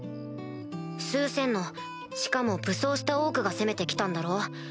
数千のしかも武装したオークが攻めて来たんだろ？